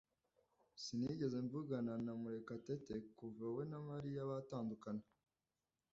Sinigeze mvugana na Murekatete kuva we na Mariya batandukana.